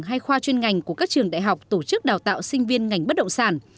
hay khoa chuyên ngành của các trường đại học tổ chức đào tạo sinh viên ngành bất động sản